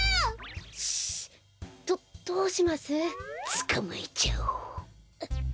つかまえちゃおう。